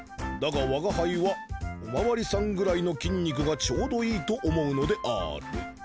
だがわがはいはおまわりさんぐらいのきん肉がちょうどいいと思うのである」。